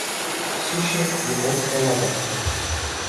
Суши - японское лакомство.